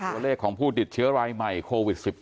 ตัวเลขของผู้ติดเชื้อรายใหม่โควิด๑๙